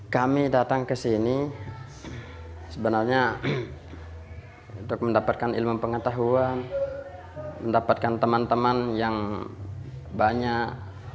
kami datang ke sini sebenarnya untuk mendapatkan ilmu pengetahuan mendapatkan teman teman yang banyak